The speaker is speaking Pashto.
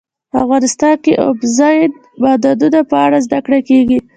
افغانستان کې د اوبزین معدنونه په اړه زده کړه کېږي.